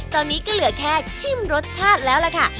ตอนนี้ก็เหลือแค่ชิมรสชาติแล้วล่ะค่ะ